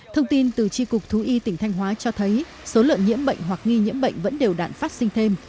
thông tin từ tri cục thú y tỉnh thanh hóa cho thấy số lợn nhiễm bệnh hoặc nghi nhiễm bệnh vẫn đều đạn phát sinh thêm